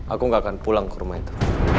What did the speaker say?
aku gak akan pulang ke rumah itu